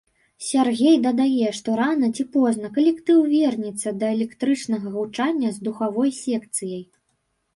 Сяргей дадае, што рана ці позна калектыў вернецца да электрычнага гучання з духавой секцыяй.